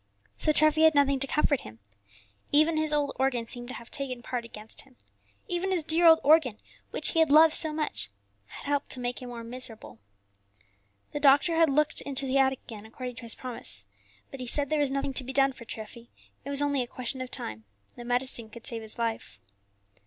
So Treffy had nothing to comfort him. Even his old organ seemed to have taken part against him; even his dear old organ, which he had loved so much, had helped to make him more miserable. The doctor had looked into the attic again according to his promise, but he said there was nothing to be done for Treffy; it was only a question of time, no medicine could save his life.